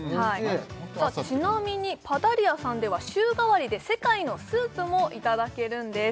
ちなみにパダリアさんでは週替わりで世界のスープもいただけるんです